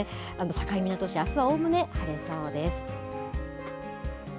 境港市、あすはおおむね晴れそうです。